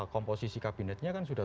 komposisi kabinetnya kan sudah